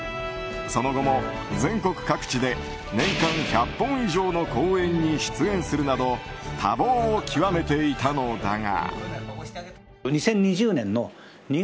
その後も全国各地で年間１００本以上の公演に出演するなど多忙を極めていたのだが。